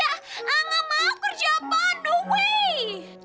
aku gak mau kerja apaan no way